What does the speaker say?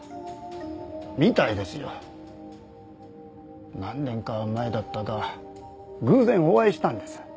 みたいですよ。何年か前だったか偶然お会いしたんです。